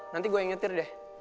nanti gue yang nyetir deh